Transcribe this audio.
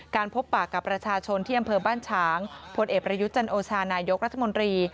พบปากกับประชาชนที่อำเภอบ้านฉางพลเอกประยุทธ์จันโอชานายกรัฐมนตรี